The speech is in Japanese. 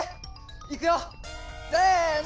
いくよせの！